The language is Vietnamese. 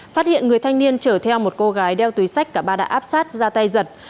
phát hiện người thanh niên chở theo một cô gái đeo túi sách cả ba đã áp sát ra tay giật